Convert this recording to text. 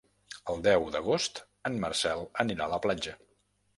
El deu d'agost en Marcel anirà a la platja.